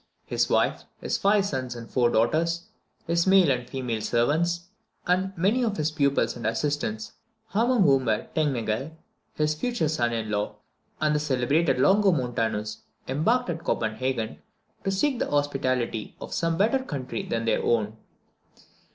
His wife, his five sons and four daughters, his male and his female servants, and many of his pupils and assistants, among whom were Tengnagel, his future son in law, and the celebrated Longomontanus, embarked at Copenhagen, to seek the hospitality of some better country than their own.